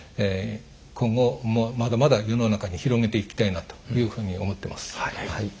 今後まだまだ世の中に広めていきたいなというふうに思ってます。